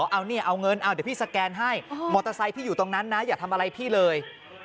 เอาเนี่ยเอาเงินเอาเดี๋ยวพี่สแกนให้มอเตอร์ไซค์พี่อยู่ตรงนั้นนะอย่าทำอะไรพี่เลย